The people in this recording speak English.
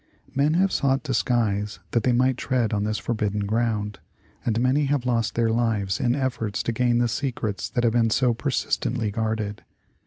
Men have sought disguise that they might tread on the forbidden ground, and many have lost their lives in eiforts to gain the secrets that have been so persistently guarded.